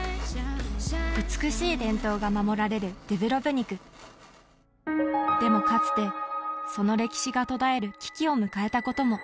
美しい伝統が守られるドゥブロヴニクでもかつてその歴史が途絶える危機を迎えたことも